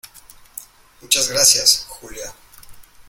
muchas gracias, Julia.